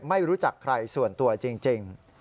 ไม่รู้จักใครส่วนตัวจริง